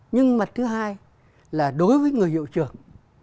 nhưng mặt thứ hai là đối với người hiệu trưởng